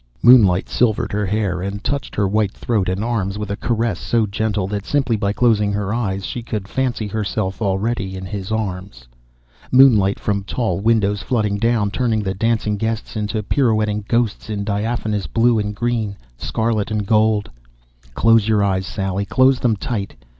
Moonlight silvered her hair and touched her white throat and arms with a caress so gentle that simply by closing her eyes she could fancy herself already in his arms. Moonlight from tall windows flooding down, turning the dancing guests into pirouetting ghosts in diaphanous blue and green, scarlet and gold. _Close your eyes, Sally, close them tight!